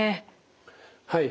はい。